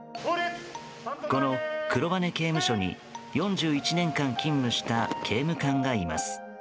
この黒羽刑務所に４１年間勤務した刑務官がいます。